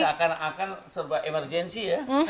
bisa akan akan serba emergensi ya